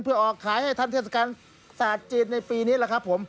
เพื่อออกขายให้ทันเทศกาลศาสตร์จีนในปีนี้แหละครับผม